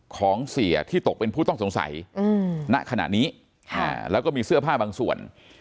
ของเสียที่ตกเป็นผู้ต้องสงสัยณขณะนี้แล้วก็มีเสื้อผ้าบางส่วน